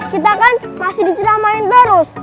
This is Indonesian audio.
kita kan masih diceramain terus